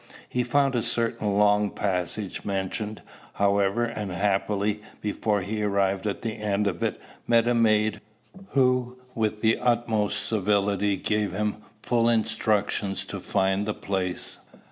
He found a certain long passage mentioned, however, and happily, before he arrived at the end of it, met a maid, who with the utmost civility gave him full instructions to find the place.